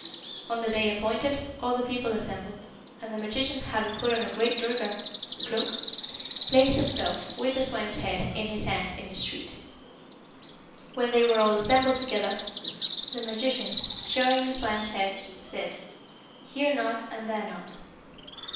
On the day appointed, all the people assembled, and the magician having put on a great durga (cloak), placed himself, with the swine's head in his hand, in the street. When they were all assembled together, the magician, showing the swine's head, said, 'Here not and there not.'